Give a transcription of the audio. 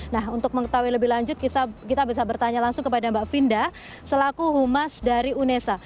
nah untuk mengetahui lebih lanjut kita bisa bertanya langsung kepada mbak vinda selaku humas dari unesa